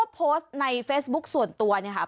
โพสต์ในเฟซบุ๊คส่วนตัวเนี่ยค่ะ